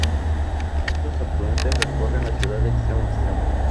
Estos afluentes recorren la ciudad de extremo a extremo.